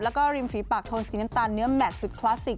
แล้วก็ริมฝีปากโทนสีน้ำตาลเนื้อแมทสุดคลาสสิก